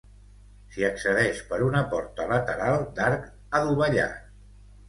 S'hi accedeix per una porta lateral d'arc adovellat.